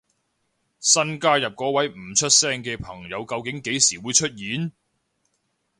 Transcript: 新加入嗰位唔出聲嘅朋友究竟幾時會出現？